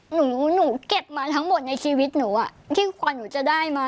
หนูหนูเก็บมาทั้งหมดในชีวิตหนูที่กว่าหนูจะได้มา